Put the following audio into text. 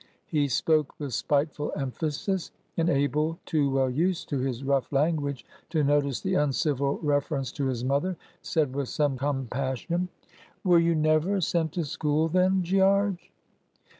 He spoke with spiteful emphasis, and Abel, too well used to his rough language to notice the uncivil reference to his mother, said with some compassion,— "Were you never sent to school then, Gearge?"